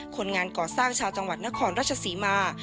คนงานก่อสร้างชาวจังหวัดนครราชศรีมา